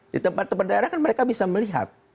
di tempat tempat daerah kan mereka bisa melihat